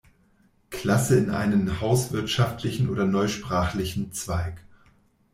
Klasse in einen hauswirtschaftlichen oder neusprachlichen Zweig.